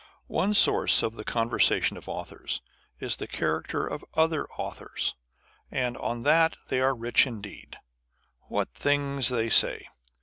One source of the conversation of authors is the character of other authors, and on that they are rich indeed. %What things they say!